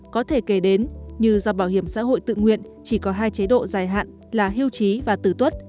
có thể kể đến như do bảo hiểm xã hội tự nguyện chỉ có hai chế độ dài hạn là hưu trí và tử tuất